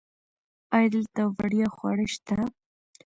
ایا دلته وړیا خواړه شته؟